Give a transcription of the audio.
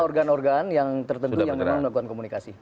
ada organ organ yang tertentu yang menggunakan komunikasi